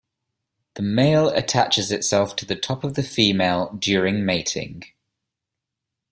The male attaches itself to the top of the female during mating.